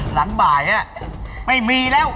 หลังบ่ายไม่มีแล้ว